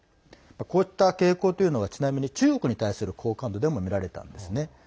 こういった傾向というのが中国に対する好感度でも見られたんですね。